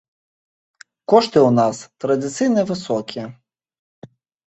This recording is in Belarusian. Кошты ў нас традыцыйна высокія.